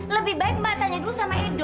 lebih baik mbak tanya dulu sama edo